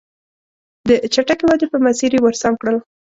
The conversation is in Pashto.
د چټکې ودې په مسیر یې ور سم کړل.